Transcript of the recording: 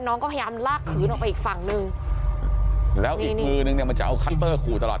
น้องก็พยายามลากพื้นออกไปอีกฝั่งนึงแล้วอีกมือนึงเนี่ยมันจะเอาคัตเตอร์ขู่ตลอด